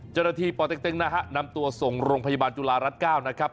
เจ้าหน้าที่ปเต็กตึงนะฮะนำตัวส่งโรงพยาบาลจุฬารัฐ๙นะครับ